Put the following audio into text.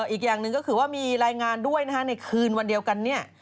อีกอย่างหนึ่งก็คือว่ามีรายงานด้วยนะคะในคืนวันเดียวกันเนี่ย